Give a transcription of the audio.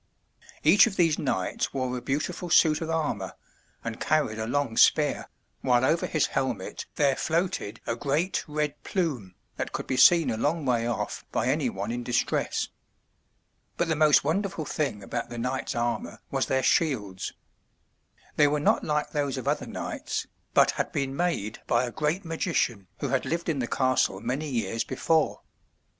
Each of these knights wore a beautiful suit of armor and carried a long spear, while over his helmet there floated a great red plume that could be seen a long way off by any one in dis tress. But the most wonderful thing about the knights* armor was their shields. They were not like those of other knights, but had been made by a great magician who had lived in the castle many years before.